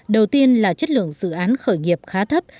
đầu tiên là chất lượng dự án khởi nghiệp khá thấp